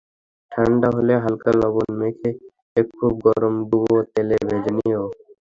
ঠান্ডা হলে হালকা লবণ মেখে খুব গরম ডুবো তেলে ভেজে নিন।